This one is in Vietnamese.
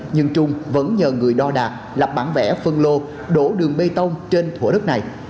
nhưng trung vẫn nhờ người đo đạt bản vẽ phân lô đổ đường bê tông trên thủa đất này